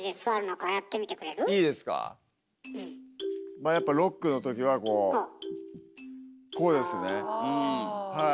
まあやっぱロックの時はこうこうですねはい。